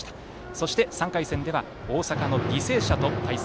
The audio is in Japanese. そして、３回戦では大阪の履正社と対戦。